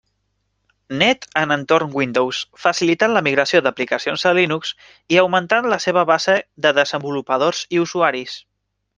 Net en entorn Windows, facilitant la migració d'aplicacions a Linux i augmentant la seva base de desenvolupadors i usuaris.